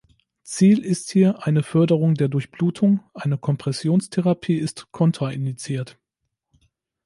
Ziel ist hier eine Förderung der Durchblutung, eine Kompressionstherapie ist kontraindiziert.